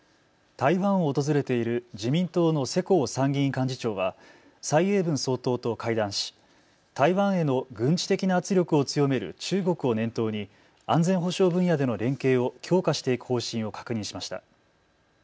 台湾を訪れている自民党の世耕参議院幹事長は蔡英文総統と会談し、台湾への軍事的な圧力を強める中国を念頭に安全保障分野での連携を強化していく方針を確認しました。